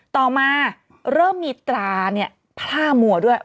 ต่อมาเริ่มมีตราพล่ามัวด้วย